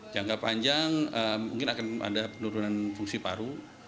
jangka panjang mungkin akan ada penurunan fungsi paru